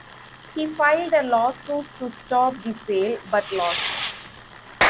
He filed a lawsuit to stop the sale, but lost.